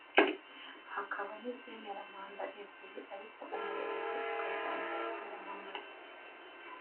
hakaba n’ibyemera manda ebyiri ariko umuyobozi akazongera kwiyamamaza